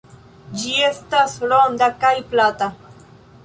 Ĝi estas ronda kaj plata.